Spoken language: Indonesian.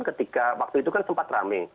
ketika waktu itu kan sempat rame